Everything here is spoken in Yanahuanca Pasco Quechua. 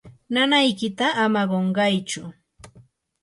nanaykita ama qunqaychu.